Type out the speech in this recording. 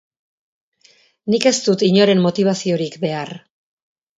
Nik ez dut inoren motibaziorik behar.